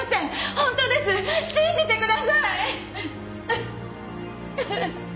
本当です信じてください！